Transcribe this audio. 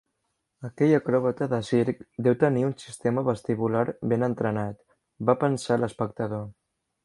"Aquell acròbata de circ deu tenir un sistema vestibular ben entrenat", va pensar l'espectador.